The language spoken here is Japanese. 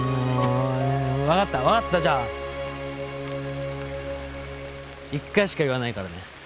分かった分かったじゃあ一回しか言わないからね？